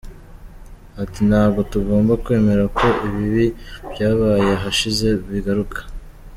Ati “Ntabwo tugomba kwemera ko ibibi byabaye ahashize bigaruka.